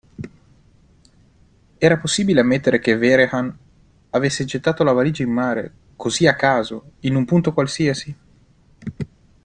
Era possibile ammettere che Vehrehan avesse gettato la valigia in mare, così a caso, in un punto qualsiasi?